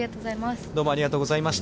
◆ありがとうございます。